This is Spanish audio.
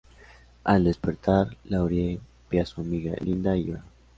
Al despertar, Laurie ve a su amiga Lynda y llora.